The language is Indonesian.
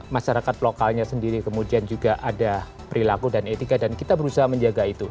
masyarakat lokalnya sendiri kemudian juga ada perilaku dan etika dan kita berusaha menjaga itu